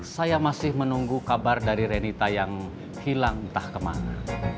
saya masih menunggu kabar dari renita yang hilang entah kemana